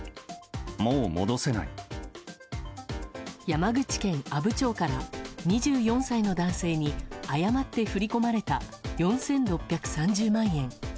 山口県阿武町から２４歳の男性に誤って振り込まれた４６３０万円。